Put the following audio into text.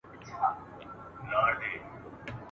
عاقبت به یې مغزی پکښي ماتیږي !.